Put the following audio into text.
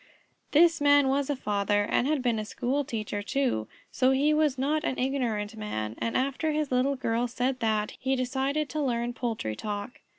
This Man was a father and had been a school teacher, too, so he was not an ignorant Man, and after his Little Girl said that he decided to learn poultry talk.